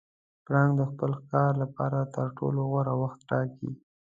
پړانګ د خپل ښکار لپاره تر ټولو غوره وخت ټاکي.